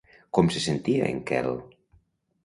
Com se sentia en Quel?